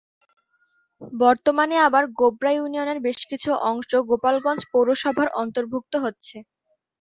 বর্তমানে আবার গোবরা ইউনিয়নের বেশকিছু অংশ গোপালগঞ্জ পৌরসভার অন্তর্ভুক্ত হচ্ছে।